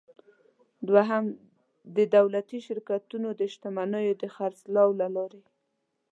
دوهم: د دولتي شرکتونو د شتمنیو د خرڅلاو له لارې.